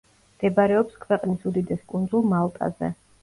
მდებარეობს ქვეყნის უდიდეს კუნძულ მალტაზე.